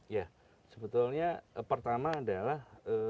ya sebetulnya pertama adalah